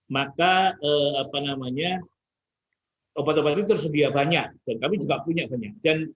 maka obat obat itu tersedia banyak dan kami juga punya banyak